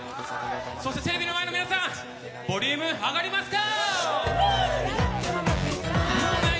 そしてテレビの前の皆さん、ボリューム上がりますか？